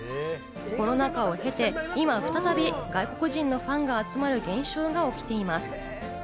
コロナ禍を経て、今、再び外国人のファンが集まる現象が起きています。